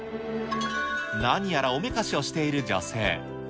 何やらおめかしをしている女性。